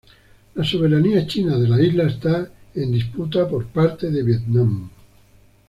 La soberanía china de la isla está en disputa por parte de Vietnam.